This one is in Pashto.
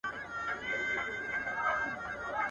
پيغمبر عليه السلام د حق قاضي و.